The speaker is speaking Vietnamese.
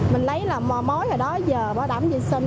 mình lấy là mối rồi đó giờ báo đảm vệ sinh